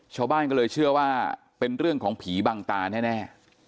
ชาวบ้านก็เลยเชื่อว่าเป็นเรื่องของผีบังตาแน่